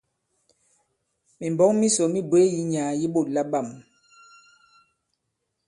Mìmbɔ̌k misò mi bwě yi nyàà yi ɓôt labâm.